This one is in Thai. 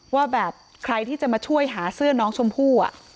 ว่าแบบใครที่จะมาช่วยหาเสื้อน้องชมพู่